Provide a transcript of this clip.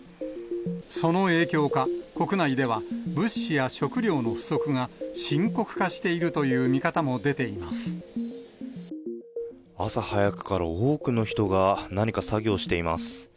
その影響か、国内では物資や食料の不足が深刻化しているという見方も出ていま朝早くから、多くの人が何か作業しています。